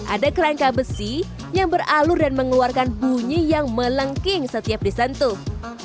ada kerangka besi yang beralur dan mengeluarkan bunyi yang melengking setiap disentuh